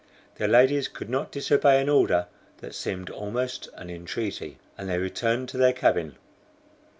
The ladies could not disobey an order that seemed almost an entreaty, and they returned to their cabin.